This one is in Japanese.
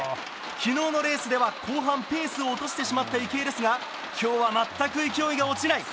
昨日のレースでは、後半ペースを落としてしまった池江ですが今日は全く勢いが落ちない。